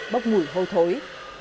bốc ngủi hâu thối